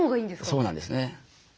そうなんですね。